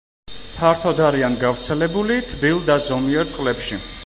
ფართოდ არიან გავრცელებული თბილ და ზომიერ წყლებში.